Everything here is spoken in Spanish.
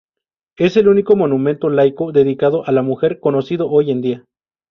Es el único monumento laico, dedicado a la mujer, conocido hoy en día.